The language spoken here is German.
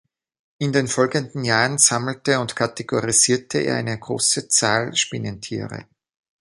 In den folgenden Jahren sammelte und kategorisierte er eine große Zahl Spinnentiere.